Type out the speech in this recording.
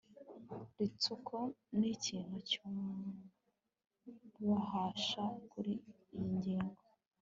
ritsuko nikintu cyububasha kuriyi ngingo